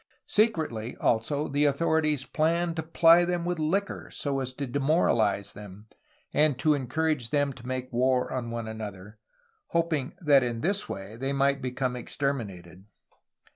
Secretly, also, the authorities planned to ply them with liquor, so as to demoralize them, and to encourage them to make war on one another, hoping that in this way they might become exterminated.